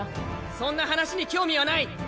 そんな話に興味はない。